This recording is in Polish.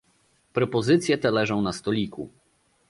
Propozycje te leżą na stoliku